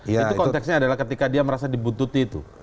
itu konteksnya adalah ketika dia merasa dibuntuti itu